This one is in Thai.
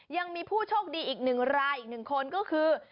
ยังมีผู้โชคดีอีกหนึ่งรายอีก๑คนก็คือ